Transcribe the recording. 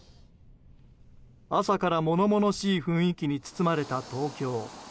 朝から物々しい雰囲気に包まれた東京。